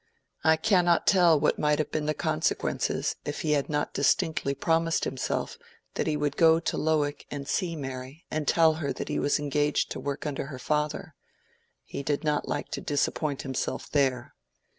I cannot tell what might have been the consequences if he had not distinctly promised himself that he would go to Lowick to see Mary and tell her that he was engaged to work under her father. He did not like to disappoint himself there.